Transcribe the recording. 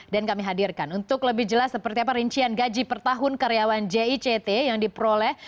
dan kami hadirkan untuk lebih jelas seperti apa rincian gaji per tahun karyawan jict yang diperoleh